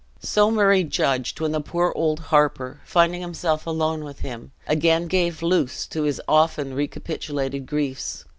So Murray judged when the poor old harper, finding himself alone with him, again gave loose to his often recapitulated griefs.